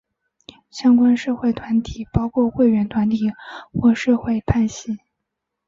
相关社会团体包括会员团体或社会派系。